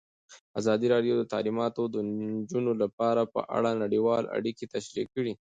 ازادي راډیو د تعلیمات د نجونو لپاره په اړه نړیوالې اړیکې تشریح کړي.